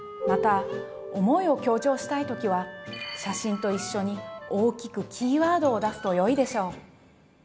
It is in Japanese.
また「思い」を強調したいときは写真と一緒に大きくキーワードを出すとよいでしょう。